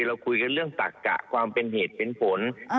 เราคุยกันเรื่องตักกะความเป็นเหตุเป็นผล